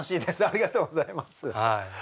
ありがとうございます。